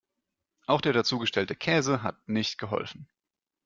Auch der dazugestellte Käse hat nicht geholfen.